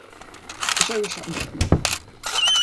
The show was shot in black-and-white.